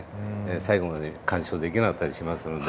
最後まで観賞できなかったりしますので。